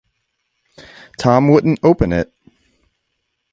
Tom wouldn't open it.